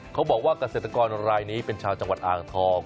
เขาบอกว่าเกษตรกรรายนี้เป็นชาวจังหวัดอ่างทอง